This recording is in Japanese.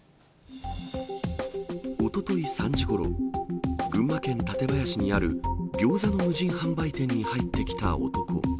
おととい３時ごろ、群馬県館林市にあるギョーザの無人販売店に入ってきた男。